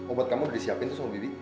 obat kamu udah disiapin terus sama bibi